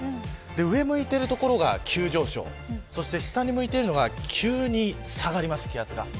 上を向いている所が急上昇下に向いているのが急に下がります、気圧が。